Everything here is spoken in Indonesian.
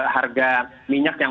harga minyak yang